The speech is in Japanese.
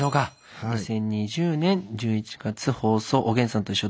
２０２０年１１月放送「おげんさんといっしょ」